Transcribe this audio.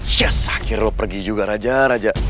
shes akhirnya lo pergi juga raja raja